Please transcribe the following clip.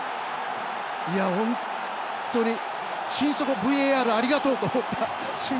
本当に、心底ＶＡＲありがとう！という。